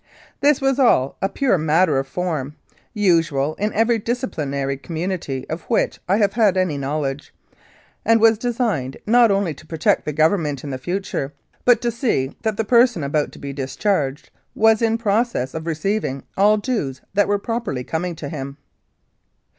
This was all a pure matter of form, usual in every disciplinary community of which I have any knowledge, and was designed not only to protect the Government in the future, but to see that the person about to be discharged was in process of receiving all dues that were properly coming to him.